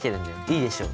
いいでしょ！